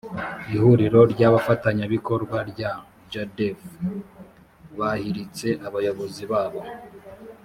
ihuriro ry’abafatanyabikorwa rya jadf bahiritse abayobozi babo